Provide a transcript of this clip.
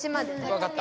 わかった。